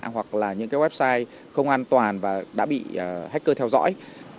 hoặc là những cái website không an toàn và đã bị hacker theo dõi